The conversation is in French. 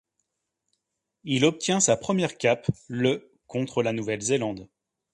Il obtient sa première cape le contre la Nouvelle-Zélande.